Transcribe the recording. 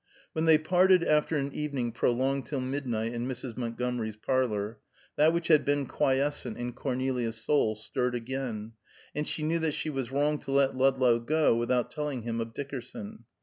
When they parted after an evening prolonged till midnight in Mrs. Montgomery's parlor, that which had been quiescent in Cornelia's soul, stirred again, and she knew that she was wrong to let Ludlow go without telling him of Dickerson.